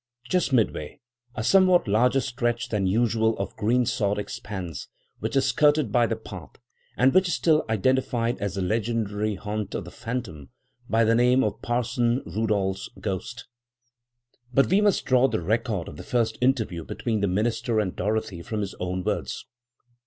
Just midway, a somewhat larger stretch than usual of green sod expands, which is skirted by the path, and which is still identified as the legendary haunt of the phantom, by the name of Parson Rudall's Ghost. But we must draw the record of the first interview between the minister and Dorothy from his own words.